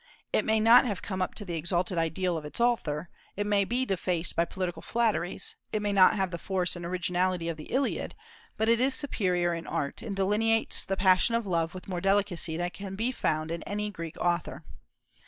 It may not have come up to the exalted ideal of its author; it may be defaced by political flatteries; it may not have the force and originality of the Iliad, but it is superior in art, and delineates the passion of love with more delicacy than can be found in any Greek author.